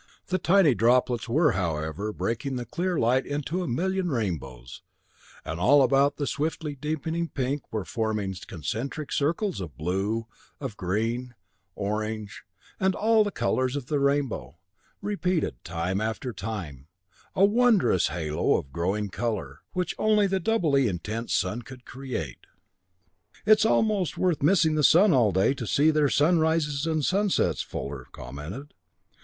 The tiny droplets were, however, breaking the clear light into a million rainbows, and all about the swiftly deepening pink were forming concentric circles of blue, of green, orange, and all the colors of the rainbow, repeated time after time a wondrous halo of glowing color, which only the doubly intense sun could create. "It's almost worth missing the sun all day to see their sunrises and sunsets," Fuller commented.